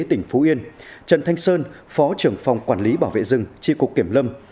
tỉnh phú yên trần thanh sơn phó trưởng phòng quản lý bảo vệ rừng tri cục kiểm lâm